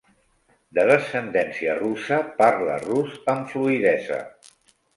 De descendència russa, parla rus amb fluïdesa.